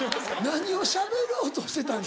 何をしゃべろうとしてたん？